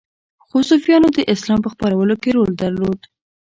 خو صوفیانو د اسلام په خپرولو کې رول درلود